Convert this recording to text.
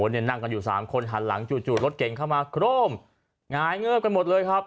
เนี่ยนั่งกันอยู่สามคนหันหลังจู่รถเก่งเข้ามาโครมหงายเงิบกันหมดเลยครับ